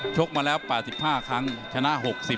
กมาแล้ว๘๕ครั้งชนะ๖๐